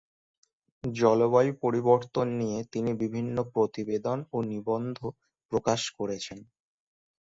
জলবায়ু পরিবর্তন নিয়ে তিনি বিভিন্ন প্রতিবেদন ও নিবন্ধ প্রকাশ করেছেন।